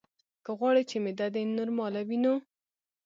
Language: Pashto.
که غواړې چې معده دې نورماله وي نو: